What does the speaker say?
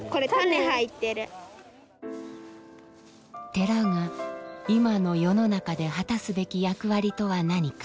寺が今の世の中で果たすべき役割とは何か？